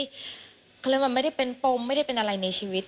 เขาเรียกว่าไม่ได้เป็นปมไม่ได้เป็นอะไรในชีวิต